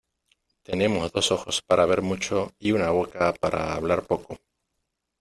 Tenemos dos ojos para ver mucho y una boca para hablar poco.